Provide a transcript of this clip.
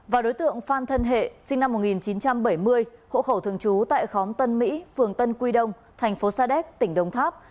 và đối tượng phan thân hệ sinh năm một nghìn chín trăm bảy mươi hộ khẩu thường trú tại khóm tân mỹ phường tân quy đông thành phố sa đéc tỉnh đông tháp